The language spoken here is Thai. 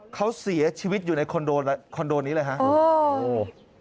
เขาเสียชีวิตอยู่ในคอนโดนี้เลยโอ้